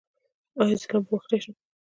ایا زه لامبو وهلی شم؟